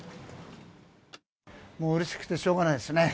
もううれしくてしょうがないですね。